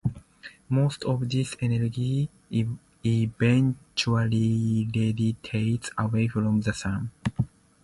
Most of this energy eventually radiates away from the Sun.